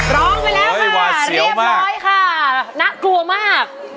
ร้องไปแล้วค่ะเรียบร้อยค่ะหวาด๗๘